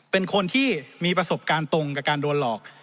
เป็นคนที่มีประสบการณ์ตรงกับการโดนหลอก